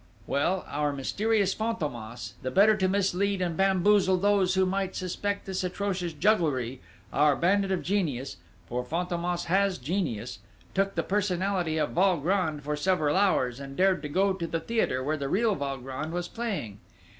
Well, our mysterious Fantômas, the better to mislead and bamboozle those who might suspect this atrocious jugglery, our bandit of genius for Fantômas has genius took the personality of Valgrand for several hours, and dared to go to the theatre where the real Valgrand was playing.